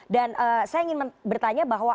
dan saya ingin bertanya bahwa